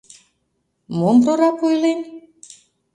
Мом прораб ойлен?